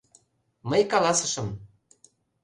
Мый каласышым.